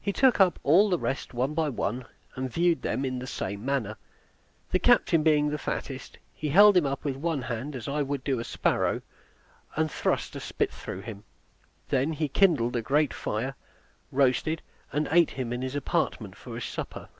He took up all the rest one by one, and viewed them in the same manner. The captain being the fattest, he held him with one hand, as I would do a sparrow, and thrust a spit through him; he then kindled a great fire, roasted, and ate him in his apartment for his supper.